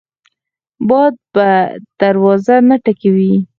باد په دروازه نه ټکوي